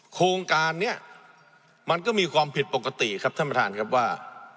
โครงการนี้มันก็มีความผิดปกติครับท่านประธานครับว่า